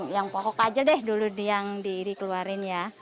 yang pokok aja deh dulu yang dikeluarin ya